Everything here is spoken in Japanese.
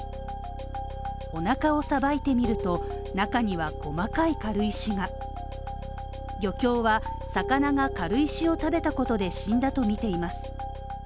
お腹をさばいてみると中には細かい軽石が漁協は魚が軽石を食べたことで死んだと見ています。